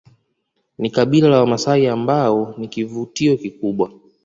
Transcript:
ni kabila la wamasai ambao ni kivutio kikubwa